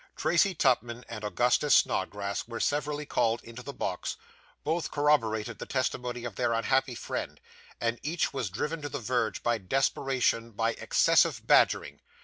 Tracy Tupman, and Augustus Snodgrass, were severally called into the box; both corroborated the testimony of their unhappy friend; and each was driven to the verge of desperation by excessive badgering.